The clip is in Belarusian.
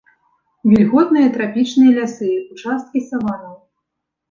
Вільготныя трапічныя лясы, участкі саваннаў.